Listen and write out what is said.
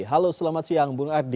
halo selamat siang bung ardi